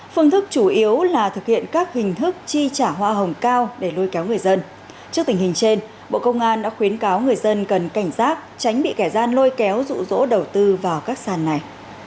phương thức chủ yếu là thực hiện các hình thức chi trả hoa hồng cao để lôi kéo người dân trước tình hình trên bộ công an đã khuyến cáo người dân cần cảnh giác tránh bị kẻ gian lôi kéo rụ rỗ đầu tư vào các sàn này